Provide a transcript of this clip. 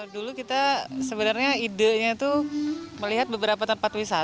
dulu kita sebenarnya idenya itu melihat beberapa tempat yang berbeda